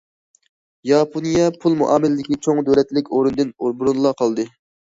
ياپونىيە پۇل مۇئامىلىدىكى چوڭ دۆلەتلىك ئورنىدىن بۇرۇنلا قالدى.